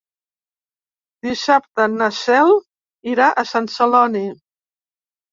Dissabte na Cel irà a Sant Celoni.